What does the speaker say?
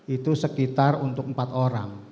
itu sekitar untuk empat orang